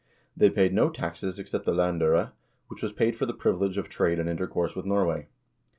They paid no taxes except the landfire, which was paid for the privilege of trade and intercourse with Norway.